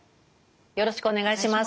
よろしくお願いします。